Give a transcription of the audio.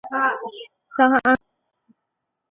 伪蒿柳为杨柳科柳属下的一个变种。